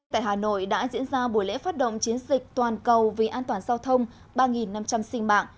tại hà nội đã diễn ra buổi lễ phát động chiến dịch toàn cầu vì an toàn giao thông ba năm trăm linh sinh mạng